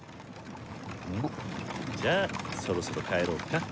じゃあそろそろ帰ろうか。